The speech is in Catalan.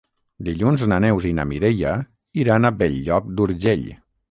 Dilluns na Neus i na Mireia iran a Bell-lloc d'Urgell.